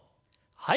はい。